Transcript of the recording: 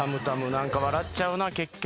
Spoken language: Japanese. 何か笑っちゃうな結局。